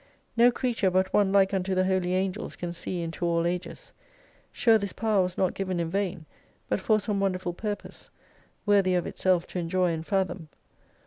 No creature but one like unto the Holy Angels can see into all ages. Sure this power was not given in vain, but for some wonderful purpose ; worthy of itself to enjoy and fathom.